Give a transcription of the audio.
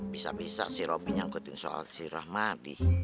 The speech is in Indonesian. bisa bisa si ropi nyangkutin soal si rahmadi